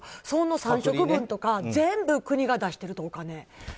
その３食分とか全部国が出してるって。